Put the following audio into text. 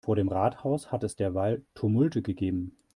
Vor dem Rathaus hat es derweil Tumulte gegeben.